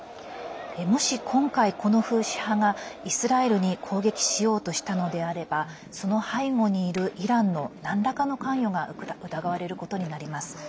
もし今回、このフーシ派がイスラエルに攻撃しようとしたのであればその背後にいる、イランのなんらかの関与が疑われることになります。